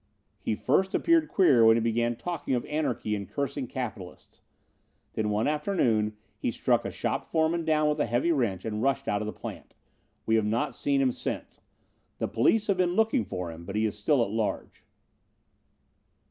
He first appeared queer when he began talking of anarchy and cursing capitalists. Then one afternoon he struck a shop foreman down with a heavy wrench and rushed out of the plant. We have not seen him since. The police have been looking for him, but he is still at large."